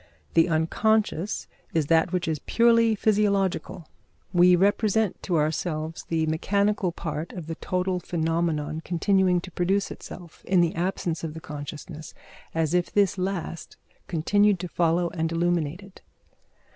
The unconscious is that which is purely physiological. We represent to ourselves the mechanical part of the total phenomenon continuing to produce itself, in the absence of the consciousness, as if this last continued to follow and illuminate it.